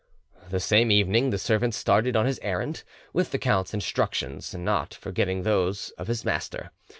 The same evening the servant started on his errand with the count's instructions, not forgetting those of his master.